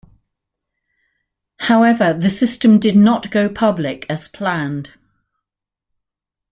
However, the system did not go public as planned.